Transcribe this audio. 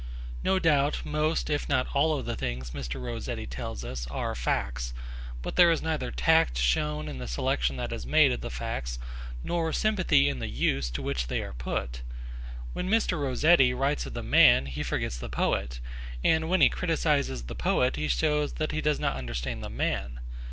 No doubt, most if not all of the things Mr. Rossetti tells us are facts; but there is neither tact shown in the selection that is made of the facts nor sympathy in the use to which they are put. When Mr. Rossetti writes of the man he forgets the poet, and when he criticises the poet he shows that he does not understand the man.